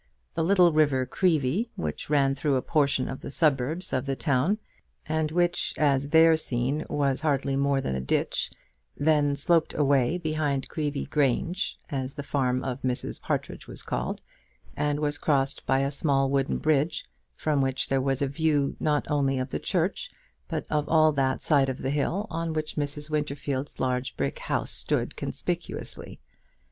The little river Creevy, which ran through a portion of the suburbs of the town, and which, as there seen, was hardly more than a ditch, then sloped away behind Creevy Grange, as the farm of Mrs. Partridge was called, and was crossed by a small wooden bridge, from which there was a view, not only of the church, but of all that side of the hill on which Mrs. Winterfield's large brick house stood conspicuously.